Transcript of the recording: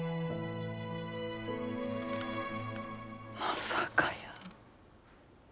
まさかやー。